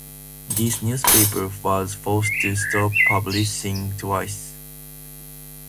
This newspaper was forced to stop publishing twice.